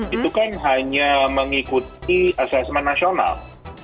itu kan hanya mengikuti asesmen nasional